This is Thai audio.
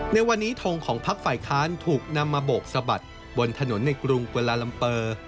ในวันนี้ทงของภักษ์ไฟคลาญถูกนำมาโบกสะบัดบนถนนกรุงกลลาลำเปอร์